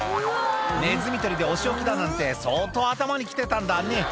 ネズミ捕りでお仕置きだなんて相当頭にきてたんだね